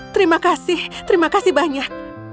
terima kasih terima kasih banyak